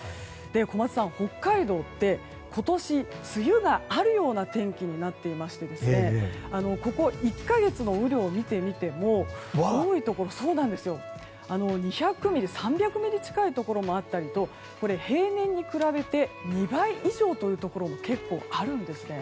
小松さん、北海道って今年、梅雨があるような天気になっていましてここ１か月の雨量を見ても多いところ、２００ミリ３００ミリ近いところもあったりとこれ、平年に比べて２倍以上というところも結構あるんですね。